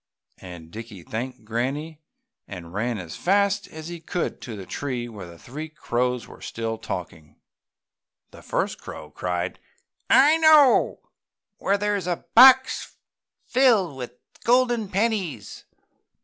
And Dickie thanked Granny and ran as fast as he could to the tree where the three crows were still talking. The first crow cried, "I know where there is a box filled with golden pennies!"